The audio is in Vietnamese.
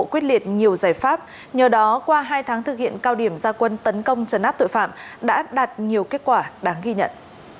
các bộ quyết liệt nhiều giải pháp nhờ đó qua hai tháng thực hiện cao điểm ra quân tấn công trần áp tội phạm đã đạt nhiều kết quả đáng ghi nhận